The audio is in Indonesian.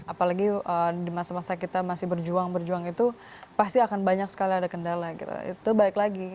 apalagi di masa masa kita masih berjuang berjuang itu pasti akan banyak sekali ada kendala gitu itu balik lagi